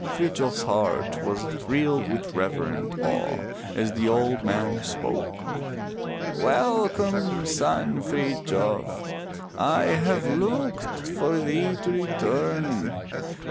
Frithjof s heart was thrilled with reverent awe as the old man spoke. Welcome, son Frithjof, I have looked for thee to return.